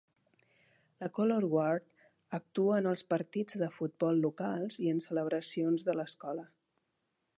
La Color Guard actua en els partits de futbol locals i en celebracions de l'escola.